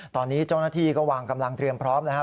ตอนนี้เจ้าหน้าที่ก็วางกำลังเตรียมพร้อมแล้วครับ